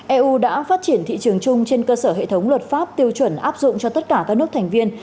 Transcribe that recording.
eu đã phát triển thị trường chung trên cơ sở hệ thống luật pháp tiêu chuẩn áp dụng cho tất cả các nước thành viên